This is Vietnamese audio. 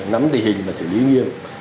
nắm tình hình và xử lý nghiêm